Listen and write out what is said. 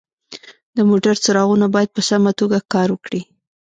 د موټر څراغونه باید په سمه توګه کار وکړي.